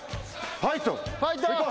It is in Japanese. ファイト！